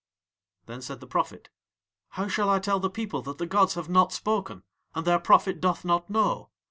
Then said the prophet: "How shall I tell the people that the gods have not spoken and their prophet doth not know?